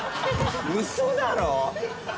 ウソだろ！？